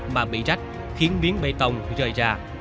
mà bị rách khiến biến bê tông rời ra